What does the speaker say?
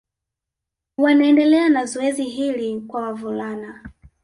Wanaendelea na zoezi hili kwa wavulana